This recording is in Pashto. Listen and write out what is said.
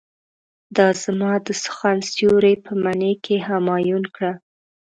دا زما د سخن سيوری په معنی کې همایون کړه.